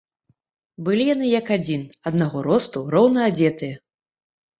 Былі яны як адзін, аднаго росту, роўна адзетыя.